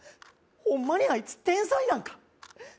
ホンマにあいつ天才なんか？